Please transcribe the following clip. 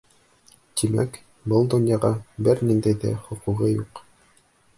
Тимәк, был донъяға бер ниндәй ҙә хоҡуғы юҡ!